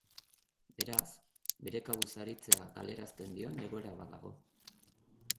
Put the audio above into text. Beraz, bere kabuz aritzea galarazten dion egoera bat dago.